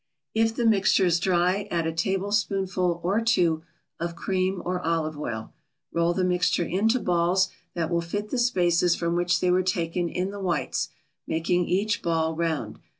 If the mixture is dry add a tablespoonful or two of cream or olive oil. Roll the mixture into balls that will fit the spaces from which they were taken in the whites, making each ball round.